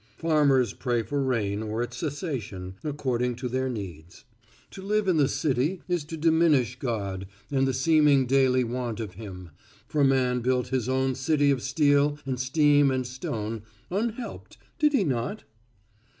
Farmers pray for rain or its cessation according to their needs. To live in the city is to diminish God and the seeming daily want of Him, for man built his own city of steel and steam and stone, unhelped, did he not?